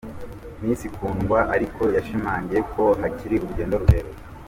Miss Kundwa ariko yashimangiye ko hakiri urugendo rurerure.